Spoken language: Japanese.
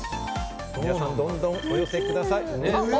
皆様、どんどんお寄せください。